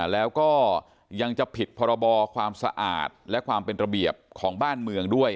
แล้วก็ยังจะผิดพรบความสะอาดและความเป็นระเบียบของบ้านเมืองด้วย